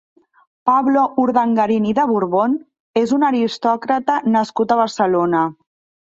Pablo Urdangarín i de Borbón és un aristòcrata nascut a Barcelona.